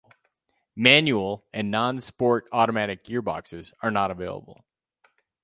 Manual and non-sport automatic gearboxes are not available.